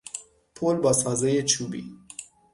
پل با سازهی چوبی